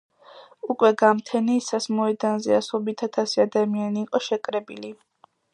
უკვე გამთენიისას მოედანზე ასობით ათასი ადამიანი იყო შეკრებილი.